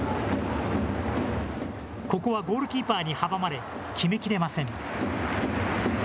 ここはゴールキーパーに阻まれ、決めきれません。